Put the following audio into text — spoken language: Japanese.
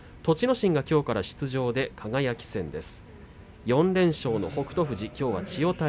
心がきょうから出場です。